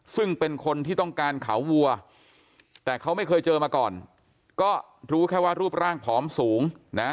ซึ่งเป็นคนที่ต้องการเขาวัวแต่เขาไม่เคยเจอมาก่อนก็รู้แค่ว่ารูปร่างผอมสูงนะ